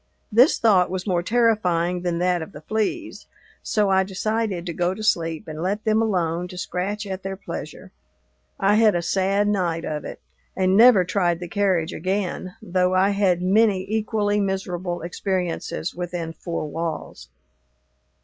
This thought was more terrifying than that of the fleas, so I decided to go to sleep and let them alone to scratch at their pleasure. I had a sad night of it, and never tried the carriage again, though I had many equally miserable experiences within four walls.